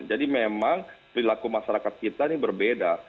jadi memang perilaku masyarakat kita ini berbeda